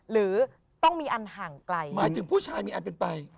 หรือต้องมีอันห่างไกลหมายถึงผู้ชายมีอันเป็นไป